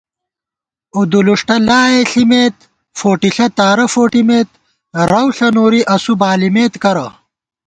اُدُلُݭہ لائے ݪِمېت فوٹِݪہ تارہ فوٹِمېت رَؤ ݪہ نوری اسُو بالِمېت کرہ